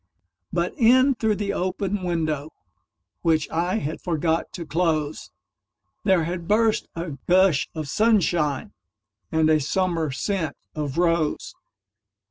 But in through the open window, Which I had forgot to close, There had burst a gush of sunshineAnd a summer scent of rose.